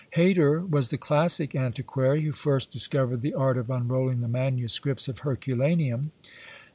Hayter was the classic antiquary who first discovered the art of unrolling the MSS. of Herculaneum.